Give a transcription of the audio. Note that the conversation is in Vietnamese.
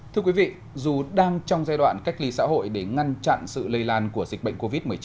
thưa quý vị dù đang trong giai đoạn cách ly xã hội để ngăn chặn sự lây lan của dịch bệnh covid một mươi chín